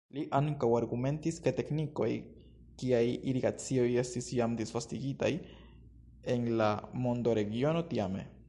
Li ankaŭ argumentis ke teknikoj kiaj irigacio estis jam disvastigitaj en la mondoregiono tiame.